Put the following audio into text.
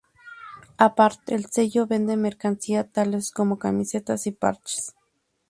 Aparte, el sello vende mercancía tales como camisetas y parches.